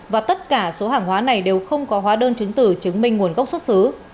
và tất cả số hàng hóa này đều không có hóa đơn chứng tử chứng minh nguồn gốc xuất xứ